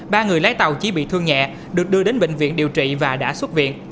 ba người lái tàu chỉ bị thương nhẹ được đưa đến bệnh viện điều trị và đã xuất viện